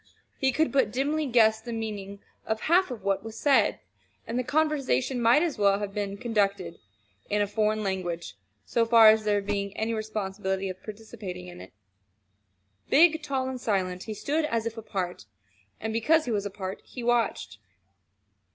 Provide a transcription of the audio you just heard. He could but dimly guess the meaning of half of what was said; and the conversation might as well have been conducted in a foreign language so far as there being any possibility of his participating in it. Big, tall, and silent, he stood as if apart. And because he was apart he watched.